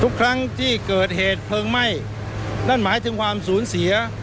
ทุกครั้งที่เกิดเหตุเพลิงไหม้นั่นหมายถึงความสูญเสีย